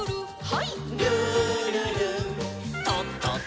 はい。